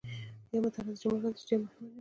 یا معترضه جمله راځي چې ډېره مهمه نه وي.